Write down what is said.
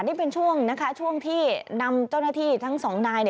นี่เป็นช่วงที่นำเจ้าหน้าที่ทั้ง๒นาย